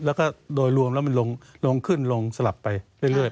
แล้วก็โดยรวมแล้วมันลงขึ้นลงสลับไปเรื่อย